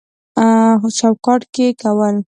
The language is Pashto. چوکاټ کې کول